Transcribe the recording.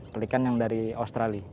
pelikan yang dari australia